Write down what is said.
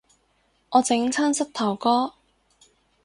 我整親膝頭哥